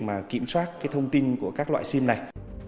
mà kiểm soát cái thông tin của các loại sim này